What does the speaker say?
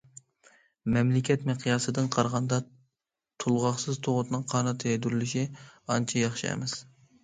مەملىكەت مىقياسىدىن قارىغاندا، تولغاقسىز تۇغۇتنىڭ قانات يايدۇرۇلۇشى ئانچە ياخشى ئەمەس.